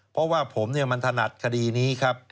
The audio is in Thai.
เพราะว่าผมมันถนัดคดีนี้ครับ